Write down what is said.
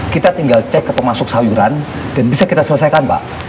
kita tinggal cek ke pemasok sayuran dan bisa kita selesaikan pak